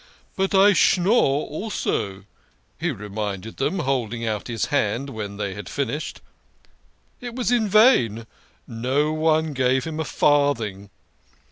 ' But I schnorr also,' he reminded them, holding out his hand when they had finished. It was in vain. No one gave him a farthing.